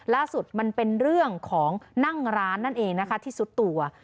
ล่าสุดมันเป็นเรื่องของนั่งร้านนั่นเองนะคะที่สุดตัว